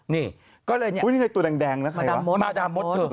นี่ก็เลยเนี่ยอุ๊ยนี่ในตัวแดงนะใครวะมาดามมดเธอ